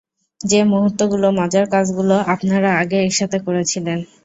যে মুহূর্তগুলো, মজার কাজগুলো আপনারা আগে একসাথে করেছিলেন।